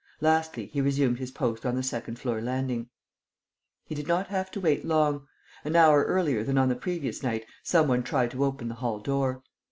Lastly, he resumed his post on the second floor landing. He did not have to wait long. An hour earlier than on the previous night some one tried to open the hall door.